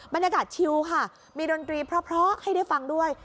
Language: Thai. บรรยากาศชิลค่ะมีดนตรีเพราะให้ได้ฟังด้วย